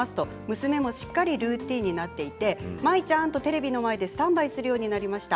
娘もしっかりルーティンになっていて舞ちゃんとテレビの前でスタンバイするようになりました。